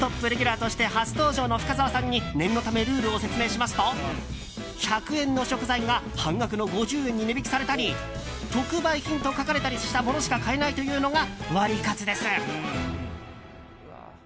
レギュラーとして初登場の深澤さんに念のためルールを説明しますと１００円の食材が半額の５０円に値引きされたり特売品と書かれたりしたものしか買えないというのがワリカツです。